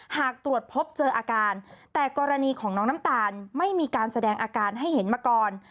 หากตรวจพบเจออาการแต่กรณีของน้องน้ำตาลไม่มีการแสดงอาการให้เห็นมาก่อน